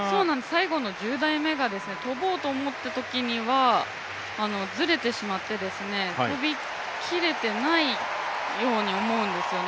最後の１０台目が跳ぼうと思ったときにはずれてしまって、跳び切れてないように思うんですよね。